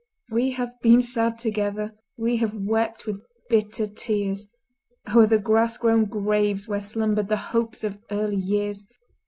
We have been sad together; We have wept with bitter tears O'er the grass grown graves where slumbered The hopes of early years.